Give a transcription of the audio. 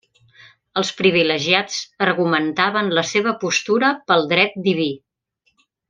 Els privilegiats argumentaven la seva postura pel dret diví.